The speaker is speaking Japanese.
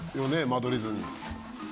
間取り図に。